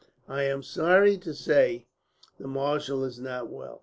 "I am sorry to say the marshal is not well.